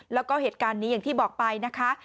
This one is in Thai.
แล้วก็เหตุการณ์นี้อย่างที่บอกไปนะคะ